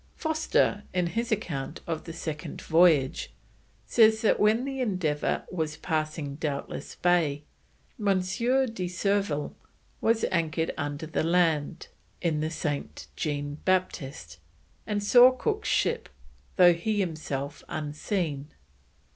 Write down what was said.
Foster, in his account of the Second Voyage, says that when the Endeavour was passing Doubtless Bay, M. de Surville was anchored under the land, in the Saint Jean Baptiste, and saw Cook's ship, though himself unseen.